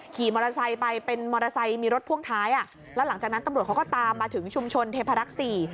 ขี่มอเตอร์ไซค์ไปเป็นมอเตอร์ไซค์มีรถพ่วงท้ายอ่ะแล้วหลังจากนั้นตำรวจเขาก็ตามมาถึงชุมชนเทพรักษ์สี่